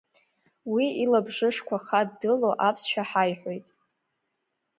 Уи илабжышқәа хаддыло аԥсшәа ҳаиҳәоит.